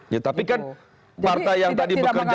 ya tapi kan partai yang tadi bekerja